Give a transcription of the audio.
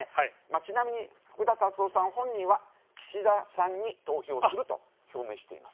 ちなみに福田達夫さん本人は岸田さんに投票すると表明しています。